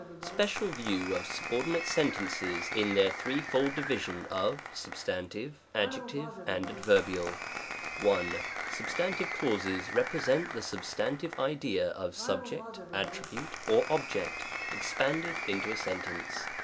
Special View of Subordinate Sentences IN their threefold Division of Substan TivE, Adjective, and Adverbial. 1. Substantive clauses represent the substantive idea of subject, attribute, or object, expanded into a sentence.